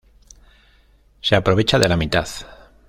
Se aprovecha de la mitad.